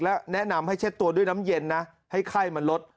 และแนะนำให้เช็ดตัวด้วยน้ำเย็นนะให้ไข้มันลด